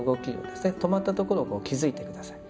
止まったところを気づいて下さい。